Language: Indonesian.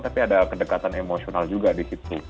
tapi ada kedekatan emosional juga di situ